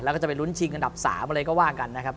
แล้วก็จะไปลุ้นชิงอันดับ๓อะไรก็ว่ากันนะครับ